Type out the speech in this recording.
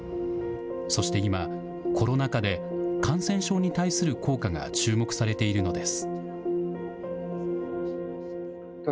そして今、コロナ禍で感染症に対する効果が注目されているのです。